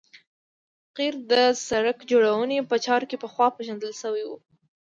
قیر د سرک جوړونې په چارو کې پخوا پیژندل شوی و